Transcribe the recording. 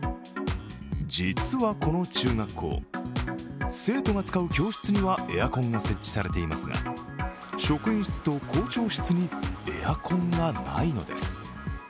実はこの中学校、生徒が使う教室にはエアコンが設置されていますが、職員室と校長室にエアコンがないのです。